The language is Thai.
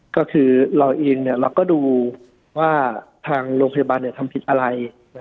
ก็คือเราเองเราก็ดูว่าทางโรงพยาบาลทำผิดอะไร